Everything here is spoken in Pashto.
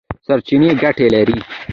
سرچینې ګټې لري.